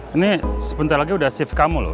ini sebentar lagi udah shift kamu loh